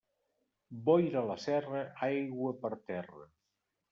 Boira a la serra, aigua per terra.